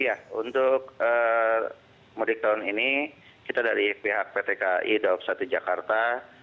ya untuk mudik tahun ini kita dari pihak pt kai daerah operasional satu jakarta